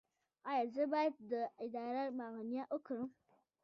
ایا زه باید د ادرار معاینه وکړم؟